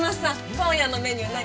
今夜のメニュー何？